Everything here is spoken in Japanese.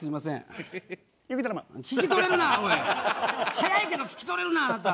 早いけど聞き取れるなあなた。